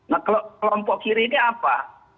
nah kelompok kiri ini apa